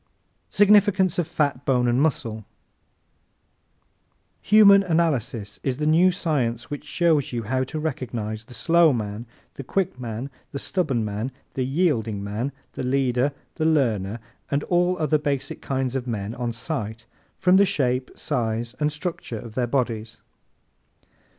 Significance of Fat, Bone and Muscle ¶ Human Analysis is the new science which shows you how to recognize the slow man, the quick man, the stubborn man, the yielding man, the leader, the learner, and all other basic kinds of men on sight from the shape, size and structure of their bodies.